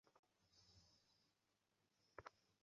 কী বাজে বকছো?